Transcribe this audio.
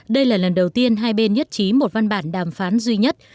đây là lần đầu tiên hai bên nhất trí một văn bản đàm phán duy nhất